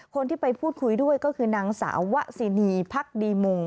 คนที่ไปพูดคุยด้วยก็คือนางสาววะสินีพักดีมง